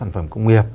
sản phẩm công nghiệp